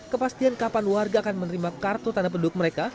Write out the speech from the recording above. kepastian kapan warga akan menerima kartu tanda penduduk mereka